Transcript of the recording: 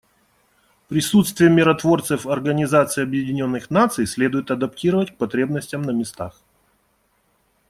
Присутствие миротворцев Организации Объединенных Наций следует адаптировать к потребностям на местах.